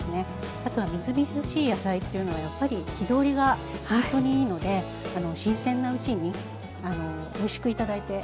あとはみずみずしい野菜っていうのはやっぱり火通りがほんとにいいので新鮮なうちにおいしく頂いて頂きたいなと思います。